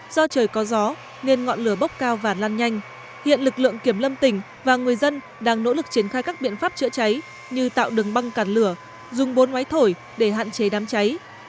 do trời có gió nên ngọn lửa bốc cao và lan nhanh hiện lực lượng kiểm lâm tỉnh và người dân đang nỗ lực triển khai các biện pháp chữa cháy như tạo đường băng cản lửa dùng bốn máy thổi để hạn chế đám cháy